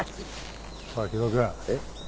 おい木戸君。えっ？